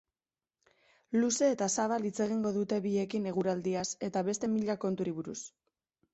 Luze eta zabal hitz egingo dute biekin eguraldiaz eta beste mila konturi buruz.